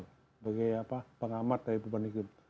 sebagai pengamat dari perubahan iklim